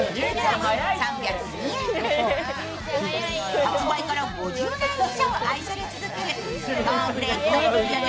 発売から５０年以上愛され続けるコーンフレークの売り上げ